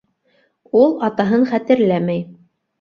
Ул атаһын хәтерләмәй.